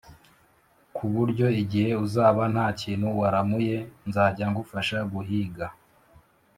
ku buryo igihe uzaba nta kintu waramuye nzajya ngufasha guhiga